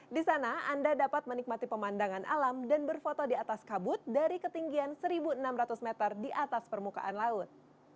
di sana anda dapat menikmati pemandangan alam dan berfoto di atas kabut dari ketinggian seribu enam ratus meter di atas permukaan laut